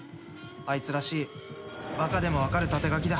あいつらしいバカでも分かる縦書きだ。